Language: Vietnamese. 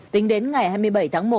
tính đến ngày hai mươi bảy tháng một